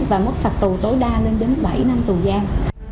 và mức phạt tù tối đa lên đến bảy năm tù giam